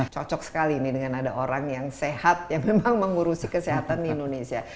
cocok sekali ini dengan ada orang yang sehat yang memang mengurusi kesehatan di indonesia